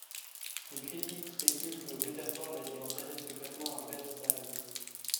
Des critiques spéculent que Rutherford a été enterré secrètement à Beth Sarim.